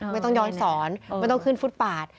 ไม่ต้องย้อนสอนไม่ต้องขึ้นฟุตปาด